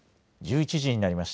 １１時になりました。